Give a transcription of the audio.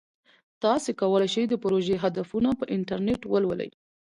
تاسو کولی شئ د پروژې هدفونه په انټرنیټ ولولئ.